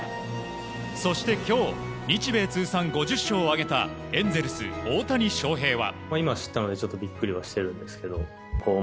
そして今日日米通算５０勝を挙げたエンゼルス、大谷翔平は。